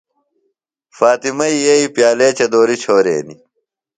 فاطمئی یئیی پیالے چدُوری چھورینیۡ۔